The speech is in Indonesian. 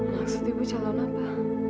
maksud ibu calon apa